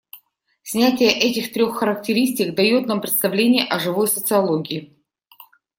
Снятие этих трех характеристик, дает нам представление о живой социологии.